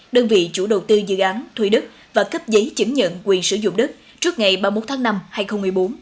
đơn vị chủ đầu tư dự án thuê đất và cấp giấy chứng nhận quyền sử dụng đất trước ngày ba mươi một tháng năm hai nghìn một mươi bốn